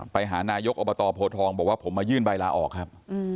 นายกอบตโพทองบอกว่าผมมายื่นใบลาออกครับ